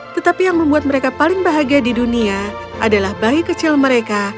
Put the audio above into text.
tetapi yang membuat mereka paling bahagia di dunia adalah bayi kecil mereka